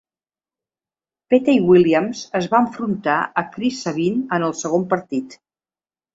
Petey Williams es va enfrontar a Chris Sabin en el segon partit.